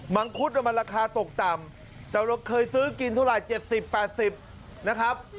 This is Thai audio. ังคุดมันราคาตกต่ำแต่เราเคยซื้อกินเท่าไหร่๗๐๘๐นะครับ